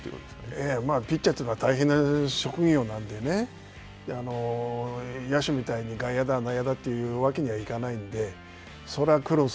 ええ、まあピッチャーというのは大変な職業なんでね、野手みたいに、外野だ内野だというわけにはいかないので。